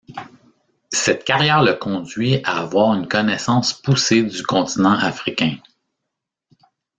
Cette carrière le conduit à avoir une connaissance poussée du continent africain.